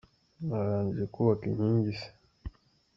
Mwarangije kubaka inkingi se.